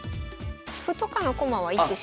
歩とかの駒は１手しか。